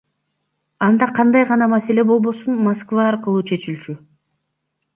Анда кандай гана маселе болбосун Москва аркылуу чечилчү.